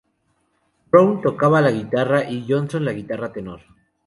Brown tocaba la guitarra y Johnson la guitarra tenor.